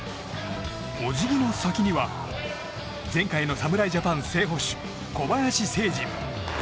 おじぎの先には前回の侍ジャパン正捕手小林誠司。